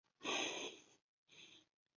省体育馆站是一个岛式月台车站。